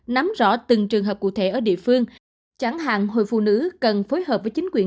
nắm rõ từng trường hợp cụ thể ở địa phương chẳng hạn hội phụ nữ cần phối hợp với chính quyền